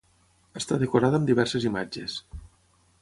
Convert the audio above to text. Està decorada amb diverses imatges.